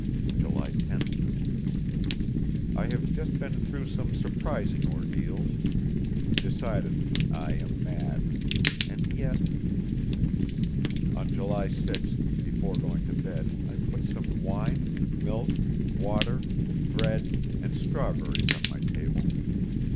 July 10th. I have just been through some surprising ordeals. Decidedly I am mad! And yet! On July 6th, before going to bed, I put some wine, milk, water, bread and strawberries on my table.